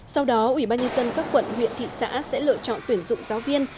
sau đó ủy ban nhân dân các quận huyện thị xã sẽ lựa chọn tuyển dụng giáo viên